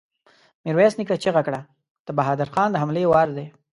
ميرويس نيکه چيغه کړه! د بهادر خان د حملې وار دی!